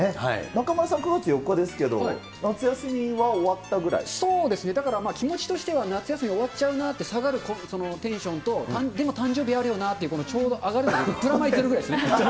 中丸さん、９月４日ですけど、そうですね、だからまあ、気持ちとしては、夏休み終わっちゃうなって下がるテンションと、でも誕生日あるよなっていう、このちょうど上がるので、プラマイゼロぐらいですね。